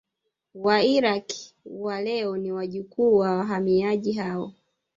Wairaqw wa leo ni wajukuu wa wahamiaji hao